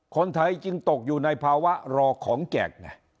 คนไทยจึงตกอยู่ในภาวะรอของแจกไง